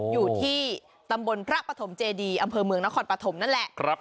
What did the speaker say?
อยู่ที่ตำบลพระปฐมเจดีอำเภอเมืองนครปฐมนั่นแหละ